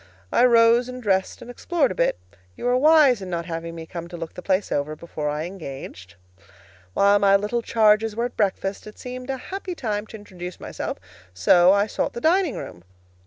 I rose and dressed and explored a bit. You were wise in not having me come to look the place over before I engaged. While my little charges were at breakfast, it seemed a happy time to introduce myself; so I sought the dining room.